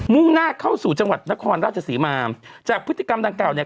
่งหน้าเข้าสู่จังหวัดนครราชศรีมาจากพฤติกรรมดังกล่าวเนี่ย